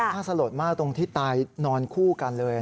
น่าสลดมากตรงที่ตายนอนคู่กันเลย